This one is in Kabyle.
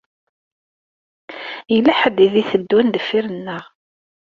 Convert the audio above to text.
Yella ḥedd i d-iteddun deffir-nneɣ.